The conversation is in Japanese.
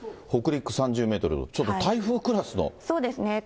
北陸３０メートル、ちょっと台風そうですね。